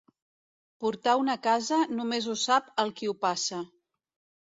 Portar una casa només ho sap el qui ho passa.